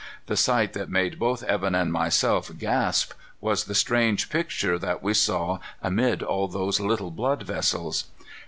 The sight that made both Evan and myself gasp was the strange picture that we saw amid all those little blood vessels.